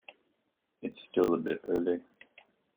It's still a bit early.